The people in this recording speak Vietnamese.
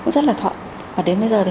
rất là thoại